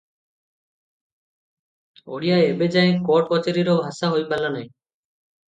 ଓଡ଼ିଆ ଏବେ ଯାଏ କୋର୍ଟ କଚେରିର ଭାଷା ହୋଇପାରିଲା ନାହିଁ ।